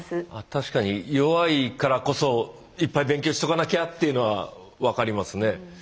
確かに弱いからこそいっぱい勉強しとかなきゃっていうのは分かりますね。